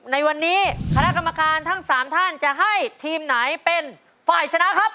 ในวันนี้คณะกรรมการทั้ง๓ท่านจะให้ทีมไหนเป็นฝ่ายชนะครับ